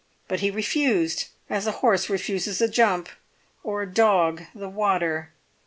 But he refused, as a horse refuses a jump, or a dog the water.